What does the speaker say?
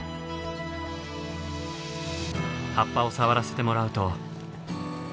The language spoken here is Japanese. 葉っぱを触らせてもらうと。